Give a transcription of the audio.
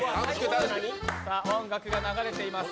音楽が流れています。